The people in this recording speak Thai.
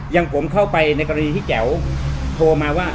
อย่างผมเข้าไปในกรณีที่แจ๋วโทรมาว่า